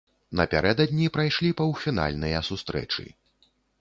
Напярэдадні прайшлі паўфінальныя сустрэчы.